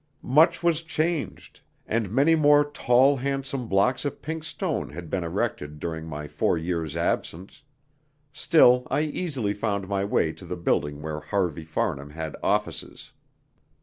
Much was changed, and many more tall, handsome blocks of pink stone had been erected during my four years' absence; still I easily found my way to the building where Harvey Farnham had offices.